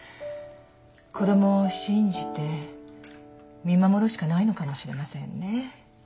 子供を信じて見守るしかないのかもしれませんね。